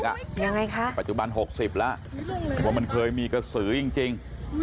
ยังไงคะปัจจุบัน๖๐แล้วว่ามันเคยมีกระสือจริง